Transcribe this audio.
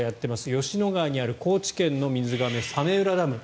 吉野川にある高知県の水がめ早明浦ダム。